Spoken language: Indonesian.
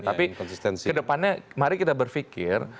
tapi kedepannya mari kita berpikir